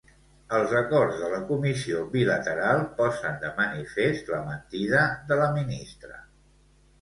Els acords de la comissió bilateral posen de manifest la mentida de la ministra.